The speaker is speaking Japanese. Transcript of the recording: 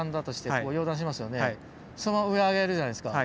その上上げるじゃないすか。